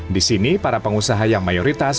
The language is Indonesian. di sini para pengusaha yang mayoritas